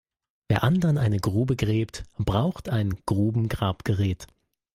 Wer anderen eine Grube gräbt, braucht ein Grubengrabgerät.